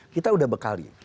kita udah bekali